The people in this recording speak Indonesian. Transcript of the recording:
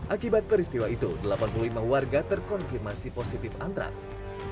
akibat peristiwa itu delapan puluh lima warga terkonfirmasi positif antraks